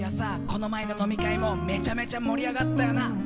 この前の飲み会もめちゃめちゃ盛り上がったよな。